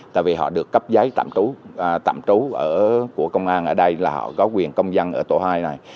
tại vì họ được cấp giấy tạm trú tạm trú của công an ở đây là họ có quyền công dân ở tổ hai này